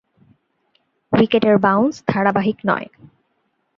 উইকেটের বাউন্স ধারাবাহিক নয়।